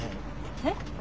えっ？